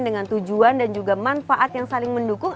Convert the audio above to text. dengan tujuan dan juga manfaat yang saling mendukung